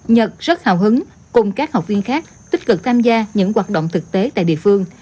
nhật rất hào hứng cùng các học viên khác tích cực tham gia những hoạt động thực tế tại địa phương